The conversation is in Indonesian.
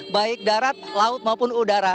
baik darat laut maupun udara